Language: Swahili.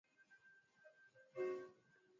Viazi lishe hupendwa na wadudu haribifu